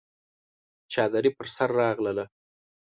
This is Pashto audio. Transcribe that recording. چادري پر سر راغله!